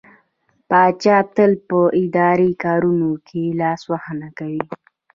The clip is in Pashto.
پاچا تل په اداري کارونو کې لاسوهنه کوي.